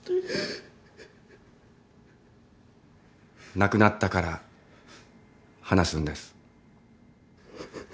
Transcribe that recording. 亡くなったから話すんです。